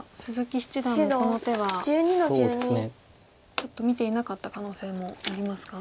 ちょっと見ていなかった可能性もありますか？